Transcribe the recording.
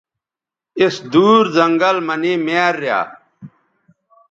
اِس دُور زنگل مہ نے میار ریا